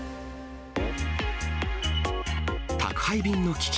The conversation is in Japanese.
宅配便の危機